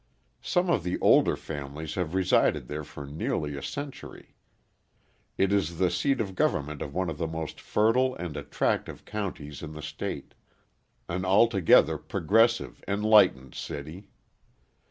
Some of the older families have resided there for nearly a century. It is the seat of government of one of the most fertile and attractive counties in the state: an altogether progressive, enlightened city.